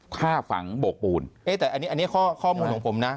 ฆ่าฝังโบกปูนแต่อันนี้อันนี้ข้อมูลของผมนะ